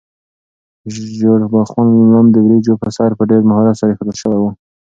ژیړبخون لم د وریجو په سر په ډېر مهارت سره ایښودل شوی و.